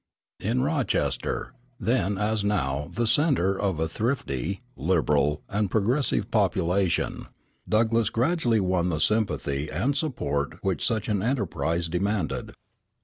In Rochester, then as now the centre of a thrifty, liberal, and progressive population, Douglass gradually won the sympathy and support which such an enterprise demanded.